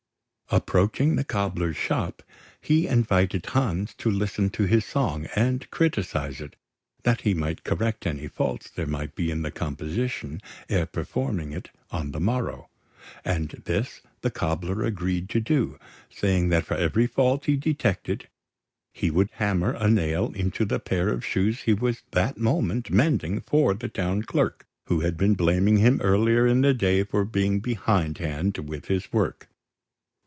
Approaching the cobbler's shop, he invited Hans to listen to his song, and criticise it, that he might correct any faults there might be in the composition ere performing it on the morrow; and this the cobbler agreed to do, saying that for every fault he detected, he would hammer a nail into the pair of shoes he was at that moment mending for the town clerk, who had been blaming him earlier in the day for being behindhand with his work.